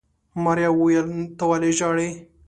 ماريا وويل ته ولې ژاړې.